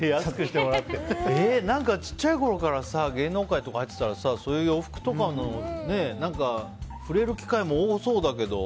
何か小さいころから芸能界とか入ってたらさそういう洋服とかに触れる機会も多そうだけど。